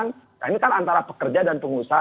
nah ini kan antara pekerja dan pengusaha